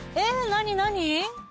何何？